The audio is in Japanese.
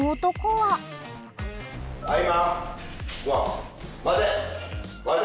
はい。